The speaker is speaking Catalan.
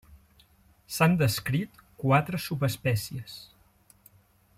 S'han descrit quatre subespècies.